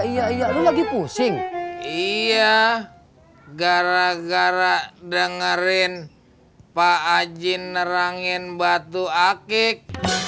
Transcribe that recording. iya iya iya iya iya iya gara gara dengerin pak ajin nerangin batu akik